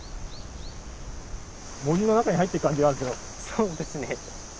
そうですね。